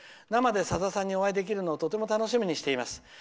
生でさださんにお会いできるのをとても楽しみにしています。